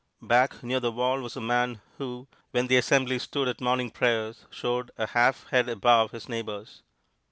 Back near the wall was a man who, when the assembly stood at morning prayers, showed a half head above his neighbors.